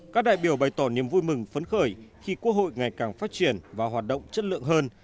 các đại biểu bày tỏ niềm vui mừng phấn khởi khi quốc hội ngày càng phát triển và hoạt động chất lượng hơn